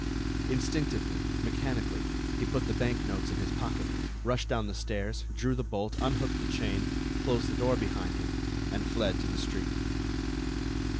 Instinctively, mechanically, he put the bank notes in his pocket, rushed down the stairs, drew the bolt, unhooked the chain, closed the door behind him, and fled to the street.